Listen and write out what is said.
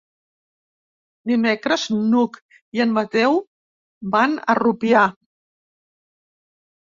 Dimecres n'Hug i en Mateu van a Rupià.